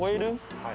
はい。